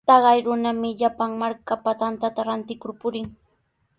Taqay runami llapan markapa tantata rantikur purin.